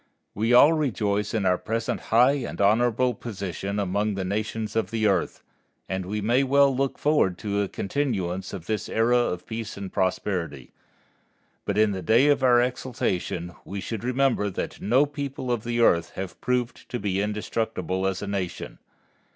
We all rejoice in our present high and honorable position among the nations of the earth, and we may well look forward to a continuance of this era of peace and prosperity. But in the day of our exaltation we should remember that no people of the earth have proved to be indestructible as a nation.